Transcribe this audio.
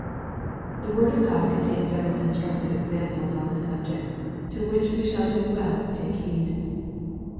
The word of God contains several instructive examples on this subject, to which we shall do well to take heed.